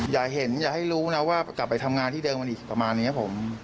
อย่าให้รู้นะว่ากลับไปทำงานที่เดินมานี่ประมาณนี้ครับผม